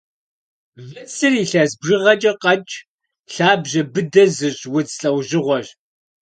Выцыр илъэс бжыгъэкӏэ къэкӏ, лъабжьэ быдэ зыщӏ удз лӏэужьыгъуэщ.